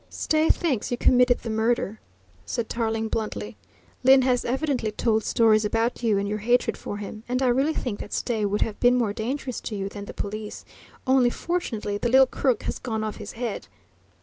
"Stay thinks you committed the murder," said Tarling bluntly. "Lyne has evidently told stories about you and your hatred for him, and I really think that Stay would have been more dangerous to you than the police, only fortunately the little crook has gone off his head."